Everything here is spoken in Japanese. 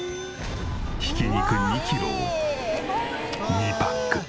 ひき肉２キロを２パック。